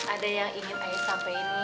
ada yang ingin ayah sampai ini